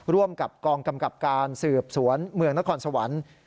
ร่วมกับกองกำกับการสืบสวนเมืองนครสวรรค์